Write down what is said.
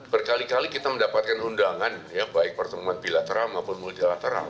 berkali kali kita mendapatkan undangan ya baik pertemuan bilateral maupun multilateral